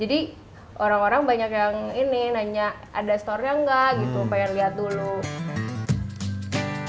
jadi orang orang banyak yang ini nanya ada store nya nggak gitu pengen lihat dulu